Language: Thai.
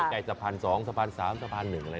ใกล้สะพาน๒สะพาน๓สะพาน๑อะไรอย่างนึง